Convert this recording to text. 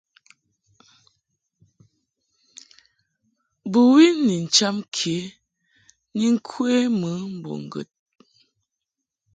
Bɨwi ni ncham ke ni ŋkwe mɨ mbo ŋgəd.